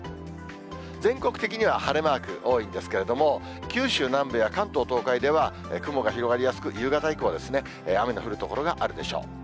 全国的には晴れマーク多いんですけれども、九州南部や関東、東海では、雲が広がりやすく、夕方以降は、雨の降る所があるでしょう。